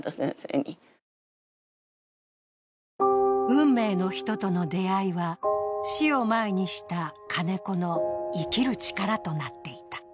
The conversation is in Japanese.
運命の人との出会いは死を前にした金子の生きる力となっていた。